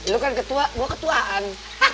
lo kan ketua lo ketuaan